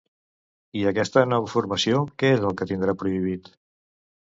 I aquesta nova formació, què és el que tindrà prohibit?